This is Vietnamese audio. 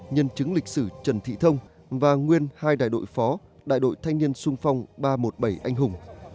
nhân chứng lịch sử trần thị thông và nguyên hai đại đội phó đại đội thanh niên sung phong ba trăm một mươi bảy anh hùng